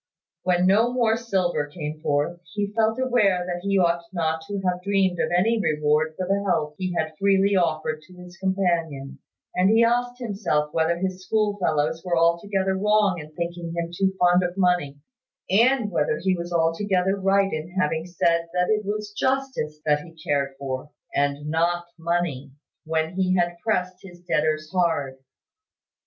When no more silver came forth, he felt aware that he ought not to have dreamed of any reward for the help he had freely offered to his companion: and he asked himself whether his schoolfellows were altogether wrong in thinking him too fond of money; and whether he was altogether right in having said that it was justice that he cared for, and not money, when he had pressed his debtor hard.